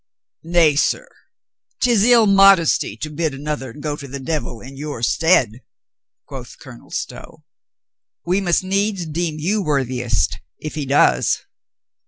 "Nay, sir, 'tis ill modesty to bid another go to the devil in your stead," quoth Colonel Stow. "We must needs deem you worthiest if he does."